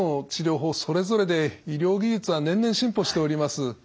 それぞれで医療技術は年々進歩しております。